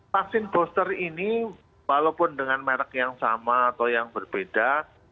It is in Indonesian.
vaksin booster ini walaupun dengan merek yang sama atau yang berbeda